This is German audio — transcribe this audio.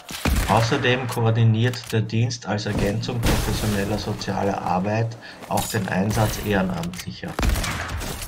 Außerdem koordiniert der Dienst als Ergänzung professioneller sozialer Arbeit auch den Einsatz Ehrenamtlicher.